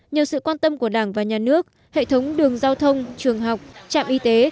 nhờ sự quan tâm của đảng và nhà nước hệ thống đường giao thông trường học trạm y tế